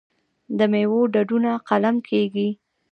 د میوو ډډونه قلم کیږي.